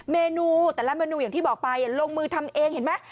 เมนูแต่ละเมนูอย่างที่บอกไปลงมือทำเองเห็นไหม